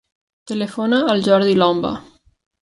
Telefona al Jordi Lomba.